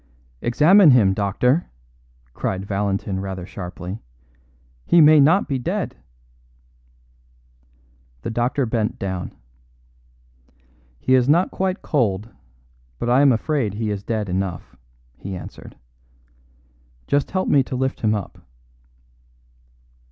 "Examine him, doctor," cried Valentin rather sharply. "He may not be dead." The doctor bent down. "He is not quite cold, but I am afraid he is dead enough," he answered. "Just help me to lift him up."